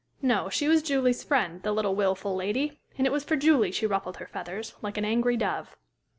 No, she was Julie's friend, the little wilful lady, and it was for Julie she ruffled her feathers, like an angry dove.